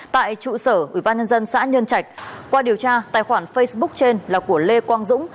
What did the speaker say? tại trụ sở ubnd xã nhân trạch qua điều tra tài khoản facebook trên là của lê quang dũng